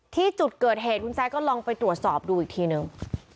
ที่จุดเกิดเหตุคุณแซคก็ลองไปตรวจสอบดูอีกทีนึง